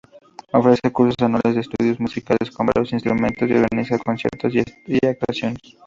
Ofrece cursos anuales de estudios musicales con varios instrumentos y organiza conciertos y actuaciones.